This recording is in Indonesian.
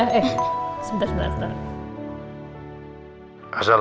eh sebentar sebentar sebentar